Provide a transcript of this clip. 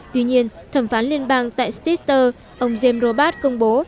tuy nhiên thẩm phán liên bang tại stister ông james robert công bố